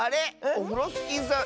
オフロスキーさん